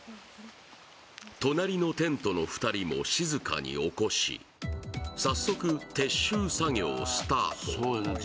隣のテントの２人も静かに起こし、早速、撤収作業スタート。